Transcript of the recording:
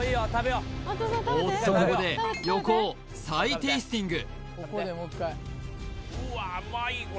おっとここで横尾再テイスティング